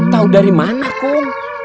tahu dari mana kum